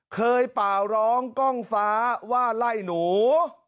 เปล่าร้องกล้องฟ้าว่าไล่หนู